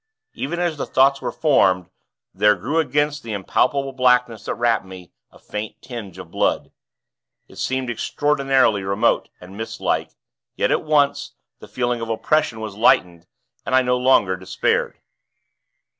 Even as the thoughts were formed, there grew against the impalpable blackness that wrapped me a faint tinge of blood. It seemed extraordinarily remote, and mistlike; yet, at once, the feeling of oppression was lightened, and I no longer despaired.